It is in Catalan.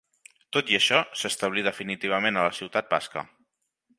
Tot i això, s'establí definitivament a la ciutat basca.